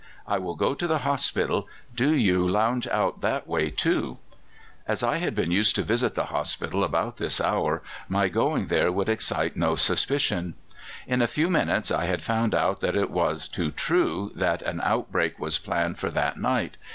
I will go to the hospital. Do you lounge out that way too.' "As I had been used to visit the hospital about this hour, my going there would excite no suspicion. "In a few minutes I had found out that it was too true that an outbreak was planned for that night.